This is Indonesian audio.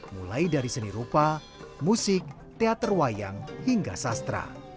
mulai dari seni rupa musik teater wayang hingga sastra